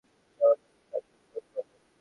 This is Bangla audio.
যাও এখন তাকে ফোন করো।